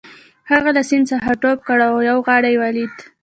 هغه له سیند څخه ټوپ کړ او یو غار یې ولید